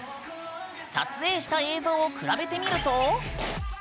撮影した映像を比べてみると。